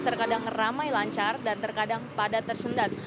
terkadang ramai lancar dan terkadang padat tersendat